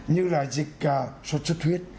như là dịch sốt sứt huyết